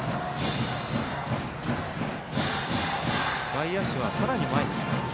外野手はさらに前に来ます。